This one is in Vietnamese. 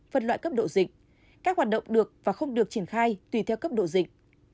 phân loại cấp độ dịch các hoạt động được và không được triển khai tùy theo cấp độ dịch